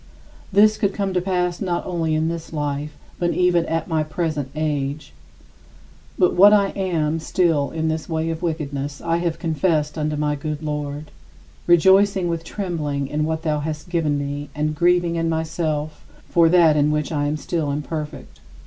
This could come to pass not only in this life but even at my present age. But what I am still in this way of wickedness I have confessed unto my good Lord, rejoicing with trembling in what thou hast given me and grieving in myself for that in which I am still imperfect.